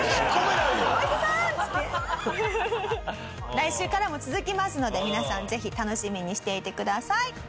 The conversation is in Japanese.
来週からも続きますので皆さんぜひ楽しみにしていてください。